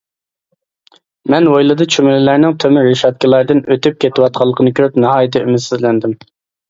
مەن ھويلىدا چۈمۈلىلەرنىڭ تۆمۈر رېشاتكىلاردىن ئۆتۈپ كېتىۋاتقانلىقىنى كۆرۈپ، ناھايىتى ئۈمىدسىزلەندىم.